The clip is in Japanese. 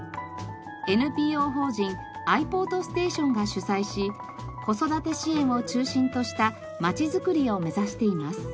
ＮＰＯ法人あい・ぽーとステーションが主催し子育て支援を中心とした街づくりを目指しています。